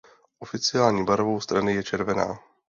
Oficiální barvou strany je červená.